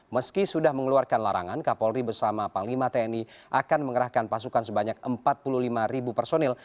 meski sudah mengeluarkan larangan kapolri bersama panglima tni akan mengerahkan pasukan sebanyak empat puluh lima ribu personil